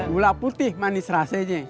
gula putih manis rasanya